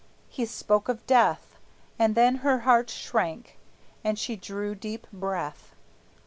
He spoke of death, And then her heart shrank, and she drew deep breath.